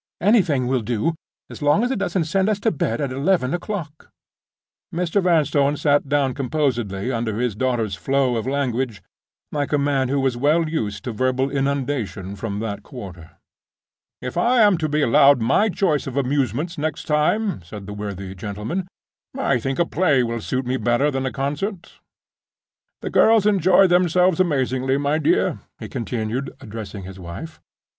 Anything will do, as long as it doesn't send us to bed at eleven o'clock." Mr. Vanstone sat down composedly under his daughter's flow of language, like a man who was well used to verbal inundation from that quarter. "If I am to be allowed my choice of amusements next time," said the worthy gentleman, "I think a play will suit me better than a concert. The girls enjoyed themselves amazingly, my dear," he continued, addressing his wife.